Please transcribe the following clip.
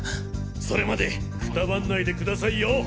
それまでくたばんないでくださいよ！